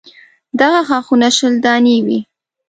دغه غاښونه شل دانې وي.